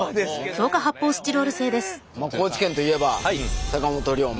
もう高知県といえば坂本龍馬。